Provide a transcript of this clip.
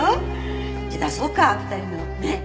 じゃあ出そうか２人のねっ。